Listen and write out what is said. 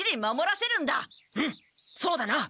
うんそうだな。